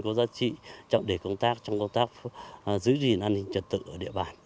có giá trị trọng để công tác trong công tác giữ gìn an ninh trật tự ở địa bàn